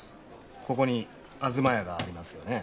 ここに東屋がありますよね